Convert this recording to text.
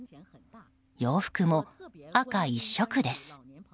洋服も赤一色です。